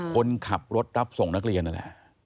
คนขับรถรับส่งนักเรียนนั่นแหละ